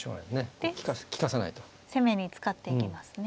で攻めに使っていきますね。